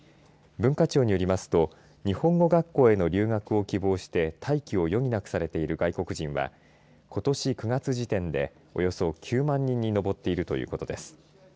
文化庁によりますと日本語学校への留学を希望して待機を余儀なくされている外国人はことし９月時点でおよそ９万人に上っているということです。